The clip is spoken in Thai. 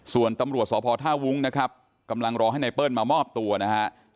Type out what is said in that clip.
ส่วนตำรวจสพท่าวุ้งนะครับกำลังรอให้แนมเผอร์ท่าวุ้งมามอบตัวนะครับ